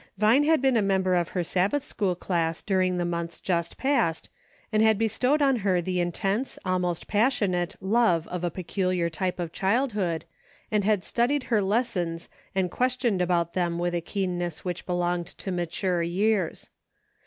Vine had been a member of her Sabbath school class during the months just passed, and had bestowed on her the intense, almost passionate, love of a peculiar' type of childhood, and had studied her lessor f^ 92 "I WILL. and questioned about them with a keenness which belonged to mature years.